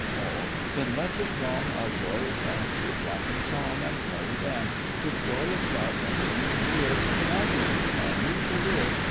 ALL. Then let the throng Our joy advance, With laughing song And merry dance, With joyous shout and ringing cheer, Inaugurate our new career!